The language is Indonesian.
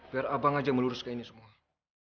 biar abang aja melurus ke ini semua